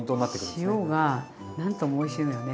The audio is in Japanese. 塩がなんともおいしいのよね。